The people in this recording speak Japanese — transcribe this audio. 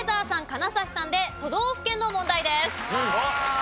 金指さんで都道府県の問題です。